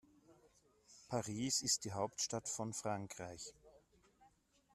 Paris ist die Hauptstadt von Frankreich.